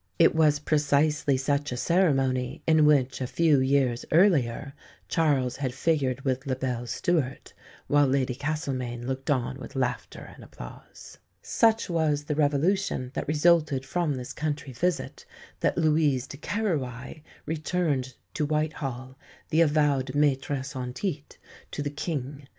It was precisely such a ceremony in which, a few years earlier, Charles had figured with La belle Stuart, while Lady Castlemaine looked on with laughter and applause. [Illustration: LOUISE, DUCHESS OF PORTSMOUTH] Such was the revolution that resulted from this country visit that Louise de Querouaille returned to Whitehall, the avowed maitresse en titre to the King.